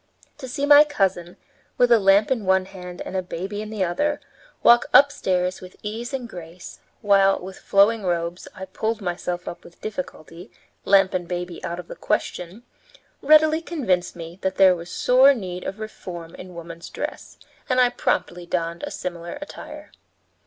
To see my cousin, with a lamp in one hand and a baby in the other, walk upstairs with ease and grace, while, with flowing robes, I pulled myself up with difficulty, lamp and baby out of the question, readily convinced me that there was sore need of reform in woman's dress, and I promptly donned a similar attire.